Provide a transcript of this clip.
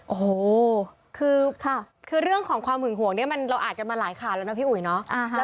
โอ้โหคือเรื่องของความหึงห่วงเนี่ยมันเราอ่านกันมาหลายข่าวแล้วนะพี่อุ๋ยเนาะ